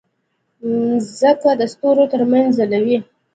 مځکه د ستورو ترمنځ ځلوي.